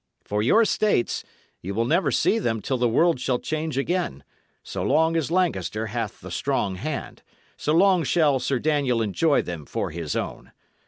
For your estates, ye will never see them till the world shall change again; so long as Lancaster hath the strong hand, so long shall Sir Daniel enjoy them for his own.